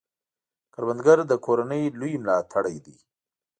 کروندګر د کورنۍ لوی ملاتړی دی